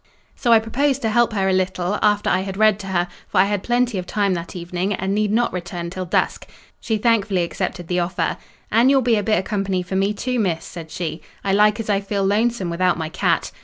So I proposed to help her a little, after I had read to her, for I had plenty of time that evening, and need not return till dusk. She thankfully accepted the offer. "An' you'll be a bit o' company for me too, Miss," said she; "I like as I feel lonesome without my cat."